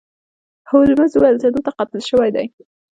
هولمز وویل چې دلته قتل شوی دی.